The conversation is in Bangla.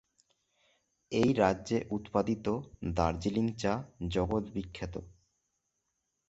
এই রাজ্যে উৎপাদিত দার্জিলিং চা জগৎ বিখ্যাত।